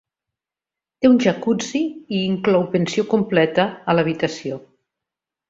Té un jacuzzi i inclou pensió completa a l'habitació.